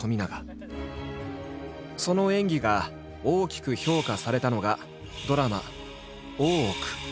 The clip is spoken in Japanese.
その演技が大きく評価されたのがドラマ「大奥」。